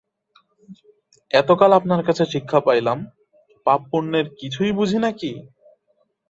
এতকাল আপনার কাছে শিক্ষা পাইলাম, পাপপুণ্যর কিছুই বুঝি না কি?